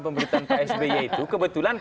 pemerintahan pak sby itu kebetulan